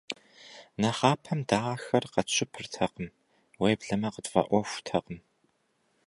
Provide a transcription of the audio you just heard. Нэхъапэм дэ ахэр къэтщыпыртэкъым, уеблэмэ къытфӏэӏуэхутэкъым.